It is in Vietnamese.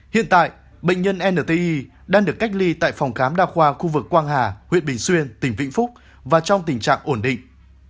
hiện tại bệnh nhân ntg đang được cách ly tại phòng khám đa khoa khu vực quang hà huyện bình xuyên tỉnh vĩnh phúc và trong tình trạng ổn định